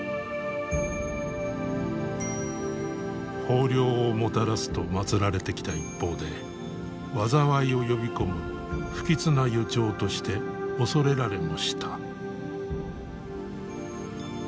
豊漁をもたらすとまつられてきた一方で災いを呼び込む不吉な予兆として恐れられもした。